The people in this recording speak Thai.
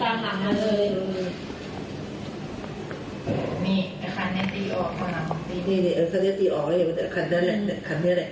แต่มันเคลียร์โรงการเหมือนแม่ง